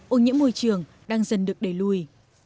ô nhiễm môi trường đang dần được đẩy lùi